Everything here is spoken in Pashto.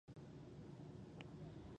دا کار د کړلو وو چې تا کړى.